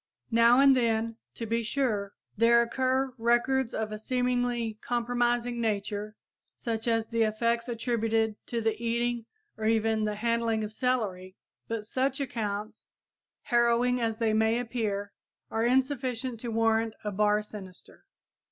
Now and then, to be sure, there occur records of a seemingly compromising nature, such as the effects attributed to the eating or even the handling of celery; but such accounts, harrowing as they may appear, are insufficient to warrant a bar sinister.